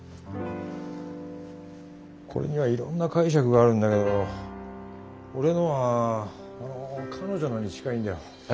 これにはいろんな解釈があるんだけど俺のはあの彼女のに近いんだよ。え？